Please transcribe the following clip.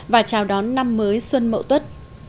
và chào đón năm mới xuân mậu tuất